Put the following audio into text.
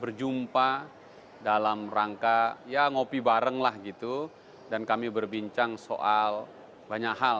berjumpa dalam rangka ya ngopi bareng lah gitu dan kami berbincang soal banyak hal